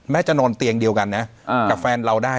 จะนอนเตียงเดียวกันนะกับแฟนเราได้